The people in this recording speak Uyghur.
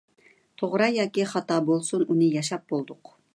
توغرا ياكى خاتا بولسۇن، ئۇنى ياشاپ بولدۇق.